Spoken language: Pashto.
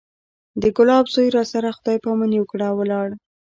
د ګلاب زوى راسره خداى پاماني وکړه او ولاړ.